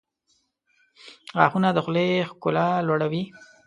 • غاښونه د خولې ښکلا لوړوي.